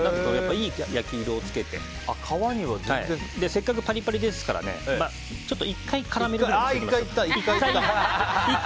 いい焼き色をつけてせっかくパリパリですから１回絡めるくらい。